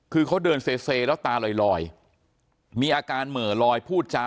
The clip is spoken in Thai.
คือเขาเดินเซแล้วตาลอยมีอาการเหม่อลอยพูดจา